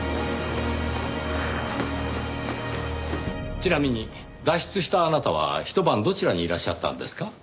ちなみに脱出したあなたはひと晩どちらにいらっしゃったんですか？